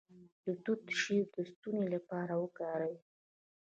د توت شیره د ستوني لپاره وکاروئ